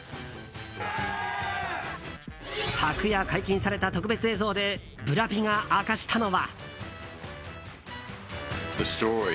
昨夜解禁された特別映像でブラピが明かしたのは。